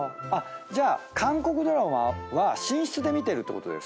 じゃあ韓国ドラマは寝室で見てるってことですか？